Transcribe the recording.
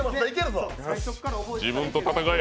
自分と戦え！